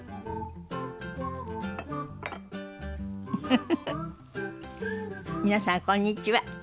フフフフ皆さんこんにちは。